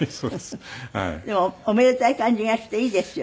でもおめでたい感じがしていいですよね。